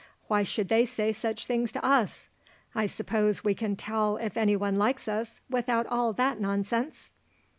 Why should they say such things to us? I suppose we can tell if anyone likes us without all that nonsense."